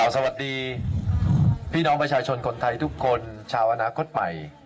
สวัสดีพี่น้องประชาชนคนไทยทุกคนชาวอนาคตใหม่